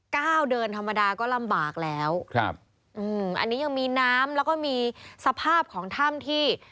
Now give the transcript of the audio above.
ก้าวเดินธรรมดาก็ลำบากแล้วครับอืมอันนี้ยังมีน้ำแล้วก็มีสภาพของถ้ำที่